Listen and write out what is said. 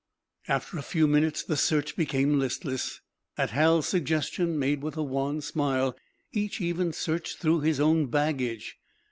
After a few minutes the search became listless. At Hal's suggestion, made with a wan smile, each even searched through his own baggage.